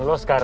lepas su diam